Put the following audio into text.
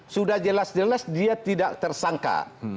sudah jelas jelas dia tidak tersangka